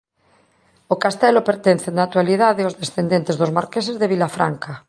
O Castelo pertence na actualidade aos descendentes dos Marqueses de Vilafranca.